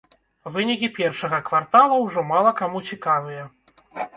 Вынікі першага квартала ўжо мала каму цікавыя.